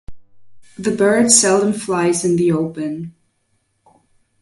The bird seldom flies in the open.